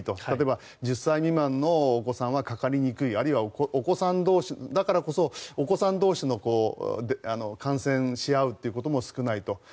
例えば、１０歳未満のお子さんはかかりにくいあるいはお子さん同士だからこそお子さん同士の感染し合うということも少ないと。